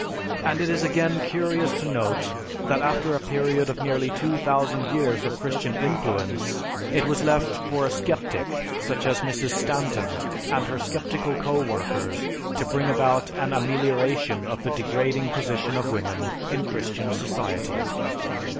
And it is again curious to note that after a period of nearly 2000 years of Christian influence it was left for a sceptic such as Mrs. Stanton and her sceptical co workers to bring about an amelioration of the degrading position of woman in Christian society.